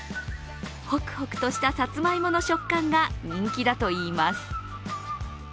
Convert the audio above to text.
ホクホクとしたさつまいもの食感が人気だといいます。